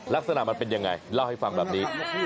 ลักษณะมันเป็นยังไงเล่าให้ฟังแบบนี้